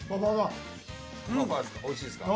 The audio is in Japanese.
おいしいすか？